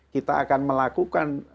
kita akan melakukan